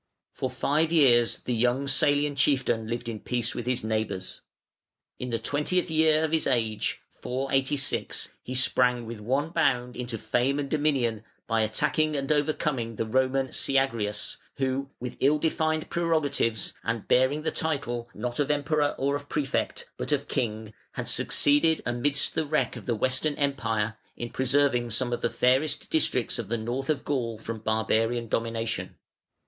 For five years the young Salian chieftain lived in peace with his neighbours. In the twentieth year of his age (486) he sprang with one bound into fame and dominion by attacking and overcoming the Roman Syagrius, who with ill defined prerogatives, and bearing the title not of Emperor or of Prefect, but of King, had succeeded amidst the wreck of the Western Empire in preserving some of the fairest districts of the north of Gaul from barbarian domination.